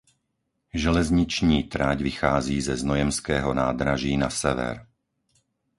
Železniční trať vychází ze znojemského nádraží na sever.